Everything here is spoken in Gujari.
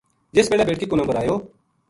جس بلے بیٹکی کو نمبر آیو۔